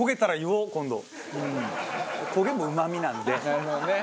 なるほどね。